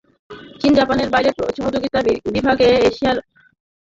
চীন-জাপানের বাইরে প্রতিযোগিতা বিভাগে এশিয়ার অর্জন বলতে তাইওয়ানের ছবি দ্য অ্যাসেসিন।